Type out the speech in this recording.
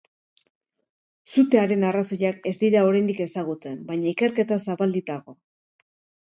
Sutearen arrazoiak ez dira oraindik ezagutzen baina ikerketa zabalik dago.